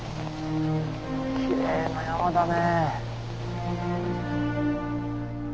きれいな山だね。